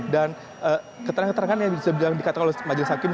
dan keterangan keterangan yang sudah dikatakan oleh majelis hakim